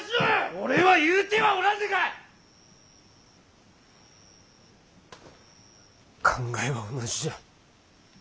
俺は言うてはおらぬが考えは同じじゃ。